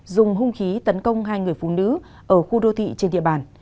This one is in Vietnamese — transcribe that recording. dùng hung khí tấn công hai người phụ nữ ở khu đô thị trên địa bàn